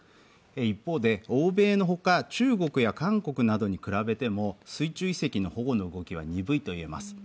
一方で、欧米のほか、中国や韓国などに比べても水中遺跡の保護の動きは鈍いといえます。